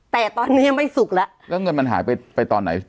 แต่ตอนนี้ยังไม่สุกแล้วแล้วเงินมันหายไปไปตอนไหน